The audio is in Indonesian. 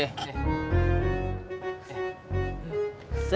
cik ga mau cik